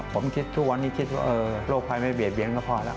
ผมคิดทุกวันนี้คิดว่าโรคภัยไม่เบียดเบียงก็พอแล้ว